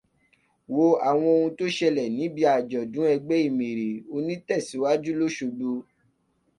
Wo àwọn ohun tó ṣẹlẹ̀ níbi àjọ̀dún ẹgbẹ́ Emèrè Onítẹ̀síwájú l'Ósogbo